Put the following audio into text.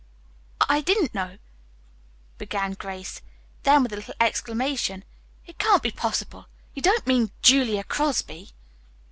"I didn't know," began Grace, then with a little exclamation: "It can't be possible! You don't mean Julia Crosby?"